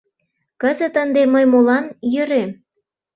Кызыт ынде мый молан йӧрем?